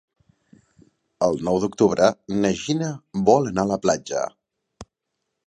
El nou d'octubre na Gina vol anar a la platja.